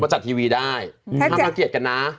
มาจัดเทียลสนับหรือวิทยาวิทยากรนะ